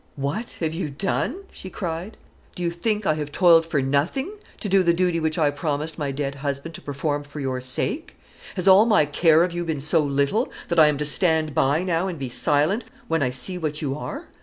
"What have you done?" she cried. "Do you think I have toiled for nothing to do the duty which I promised my dead husband to perform for your sake? Has all my care of you been so little, that I am to stand by now and be silent, when I see what you are?